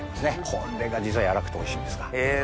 これが実は柔らかくておいしいんですが。